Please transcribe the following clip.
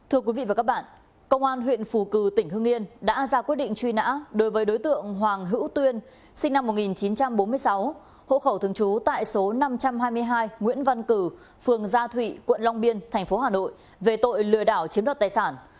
hộ khẩu thường trú tại số năm trăm hai mươi hai nguyễn văn cử phường gia thụy quận long biên thành phố hà nội về tội lừa đảo chiếm đoạt tài sản